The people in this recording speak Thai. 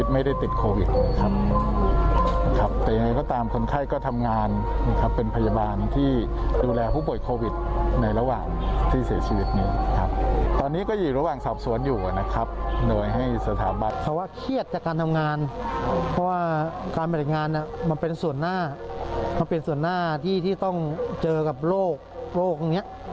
ไม่ต้องเจอกับโรคโรคอย่างนี้